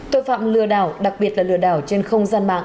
tội phạm lừa đảo đặc biệt là lừa đảo trên không gian mạng